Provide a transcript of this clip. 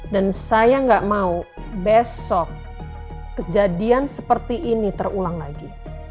dan saya nggak mau besok kejadian seperti ini terulang lagi